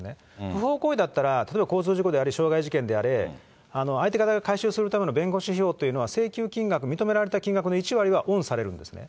不法行為だったら、例えば交通事故であれ、傷害事件であれ、相手方が回収するための弁護士費用というのは、請求費用、認められた金額であればオンされるんですね。